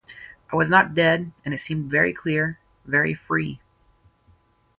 I was not dead, and it seemed very clear, very free.